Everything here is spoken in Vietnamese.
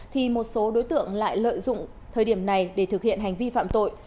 thì một số đối tượng lại lợi dụng thời điểm này để thực hiện hành vi phạm tội